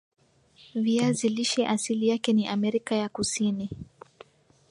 viazi lishe asili yake ni Amerika ya kusini